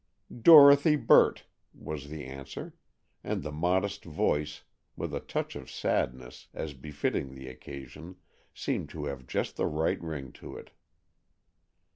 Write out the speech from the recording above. "Dorothy Burt," was the answer, and the modest voice, with a touch of sadness, as befitting the occasion, seemed to have just the right ring to it.